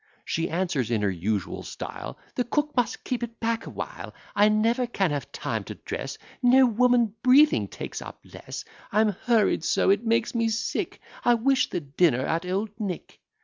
She answers, in her usual style, "The cook must keep it back a while; I never can have time to dress, No woman breathing takes up less; I'm hurried so, it makes me sick; I wish the dinner at Old Nick."